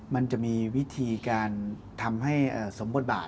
มันจะมีวิธีการทำให้สมบทบาท